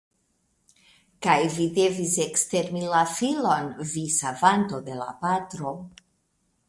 Kaj vi devis ekstermi la filon, vi savanto de la patro!